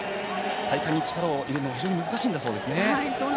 体幹に力を入れるのが非常に難しいんだそうです。